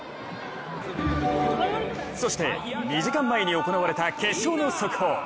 そして、２時間前に行われた決勝の速報。